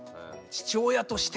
「父親として！」